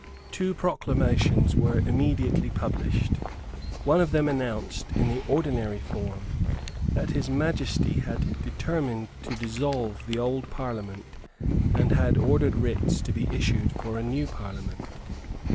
Two proclamations were immediately published. One of them announced, in the ordinary form, that His Majesty had determined to dissolve the old Parliament and had ordered writs to be issued for a new Parliament.